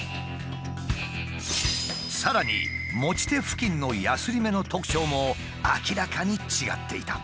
さらに持ち手付近のやすり目の特徴も明らかに違っていた。